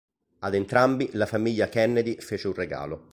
Ad entrambi la famiglia Kennedy fece un regalo.